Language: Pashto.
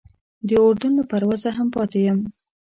د اردن له پروازه هم پاتې یم.